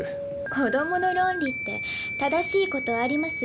子どもの論理って正しいことありますよ。